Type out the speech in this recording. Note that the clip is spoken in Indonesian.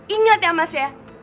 ingat ya mas ya